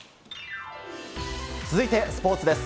続いて、スポーツです。